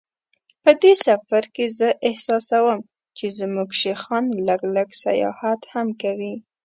په دې سفر کې زه احساسوم چې زموږ شیخان لږ لږ سیاست هم کوي.